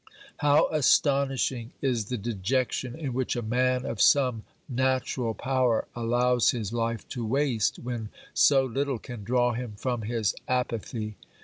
How astonishing is the dejection in which a man of some natural power allows his life to waste when so little can draw him from his apathy